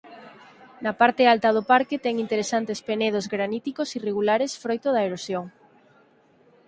Na parte alta do parque ten interesantes penedos graníticos irregulares froito da erosión.